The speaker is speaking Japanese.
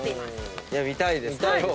見たいですけど。